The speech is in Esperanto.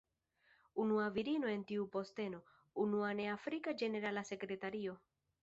Unua virino en tiu posteno, unua ne afrika ĝenerala sekretario.